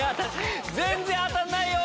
全然当たんないよ！